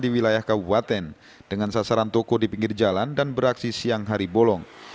di wilayah kabupaten dengan sasaran toko di pinggir jalan dan beraksi siang hari bolong